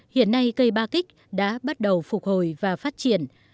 hiện nay cây ba kích đã bắt đầu phục hồi và phát triển